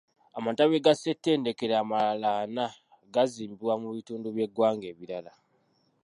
Amatabi ga ssematendekero amalala ana gaazimbibwa mu bitundu by'eggwanga ebirala.